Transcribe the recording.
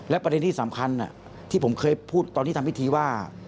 ประเด็นที่สำคัญที่ผมเคยพูดตอนที่ทำพิธีว่า